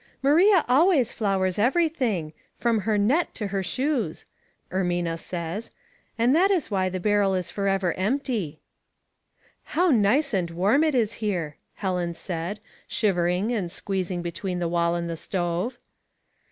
" Maria always flours every thing, from her Det to her shoes," Ermina says, " and that is why the barrel is forever empty.'* *' How nice and warm it is here," Helen said, shivering and squeezing between the wall and the stove.